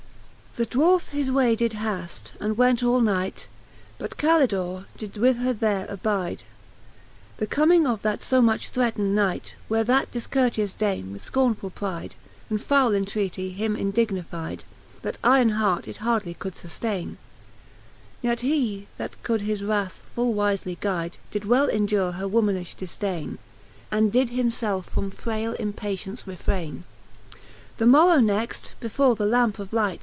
I. XXX. The Dwarfe his way did haft, and went all night J But Call dor e did with her there abyde The comming of that fb much threatned Knight, Where that diicourteous Dame with Icornfull pryde, And fowle entreaty him indignifyde, That yron heart it hardly could fuftaine: Yet he, that could his wrath full wifely guyde, Did well endure her womanifh difdaine, And did himfelfe frpm fraile impatience refrainc, XXXI. The morrow next, before the lampe of light.